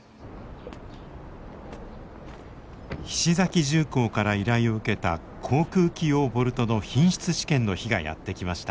菱崎重工から依頼を受けた航空機用ボルトの品質試験の日がやって来ました。